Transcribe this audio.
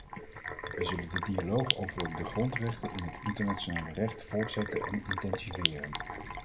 We zullen de dialoog over de grondrechten in het internationale recht voortzetten en intensiveren.